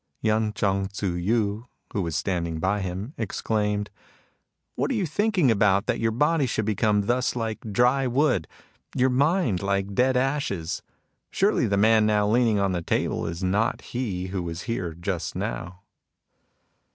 Yen Ch'feng Tzu Yu, who was standing by him, exclaimed :" What are you thinking about that your body should become thus like dry wood, your mind like dead ashes ? Surely the man now leaning on the table is not he who was here just now."